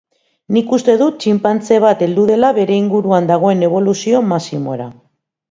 Nik uste dut txinpantze bat heldu dela bere inguruan dagoen eboluzio maximora.